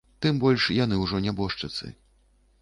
Тым больш, яны ўжо нябожчыцы.